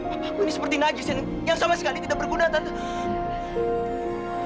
aku ini seperti nagis yang sama sekali tidak berguna tante